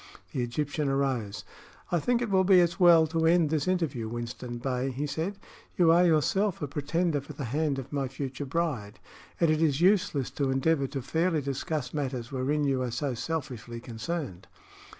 The Egyptian arose. "I think it will be as well to end this interview, Winston Bey," he said. "You are yourself a pretender for the hand of my future bride, and it is useless to endeavor to fairly discuss matters wherein you are so selfishly concerned."